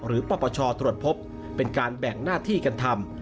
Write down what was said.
หรือประประชอตรวจพบเป็นการแบ่งหน้าที่การทำ